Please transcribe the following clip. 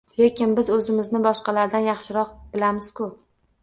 Lekin biz oʻzimizni boshqalardan yaxshiroq bilamiz-ku